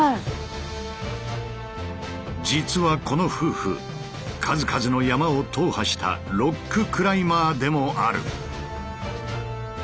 実はこの夫婦数々の山を踏破したロッククライマーでもある。